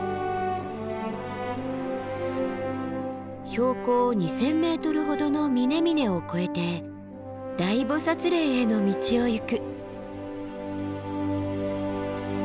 標高２，０００ｍほどの峰々を越えて大菩嶺への道を行く。